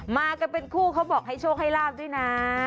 มากันเป็นคู่เขาบอกให้โชคให้ลาบด้วยนะ